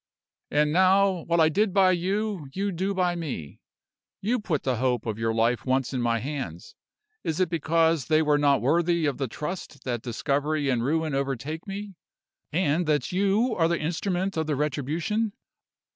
"And now, what I did by you, you do by me. You put the hope of your life once in my hands. Is it because they were not worthy of the trust that discovery and ruin overtake me, and that you are the instrument of the retribution?